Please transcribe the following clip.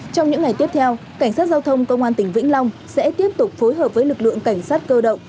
trong những ngày tiếp theo cảnh sát giao thông công an tỉnh vĩnh long sẽ tiếp tục phối hợp với lực lượng cảnh sát cơ động